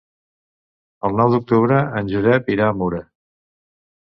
El nou d'octubre en Josep irà a Mura.